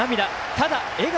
ただ、笑顔。